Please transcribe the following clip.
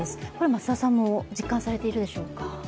松田さんも実感されているでしょうか？